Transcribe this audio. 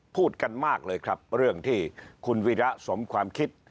พูดกันมากเลยครับเรื่องที่คุณวีระสมความคิด